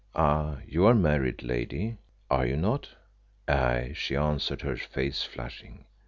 Ah! you are married, lady, are you not?" "Aye," she answered, her face flushing.